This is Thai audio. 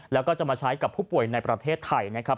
แล้วก็จะมาใช้กับผู้ป่วยในประเทศไทยนะครับ